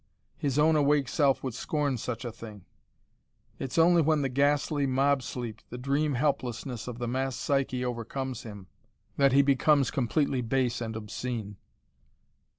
His own awake self would scorn such a thing. It's only when the ghastly mob sleep, the dream helplessness of the mass psyche overcomes him, that he becomes completely base and obscene."